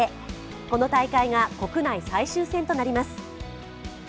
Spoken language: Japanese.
この大会が国内最終戦となります。